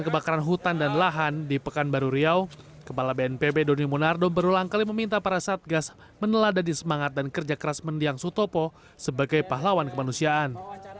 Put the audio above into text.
kebakaran hutan dan lahan di pekanbaru riau kepala bnpb doni monardo berulang kali meminta para satgas menelada di semangat dan kerja keras mendiang sutopo sebagai pahlawan kemanusiaan